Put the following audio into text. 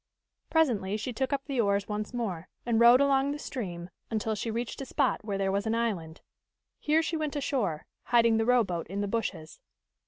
Presently she took up the oars once more, and rowed along the stream until she reached a spot where there was an island. Here she went ashore, hiding the rowboat in the bushes.